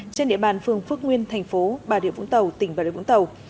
trên địa bàn phương phước nguyên thành phố bà điều vũng tàu tỉnh bà điều vũng tàu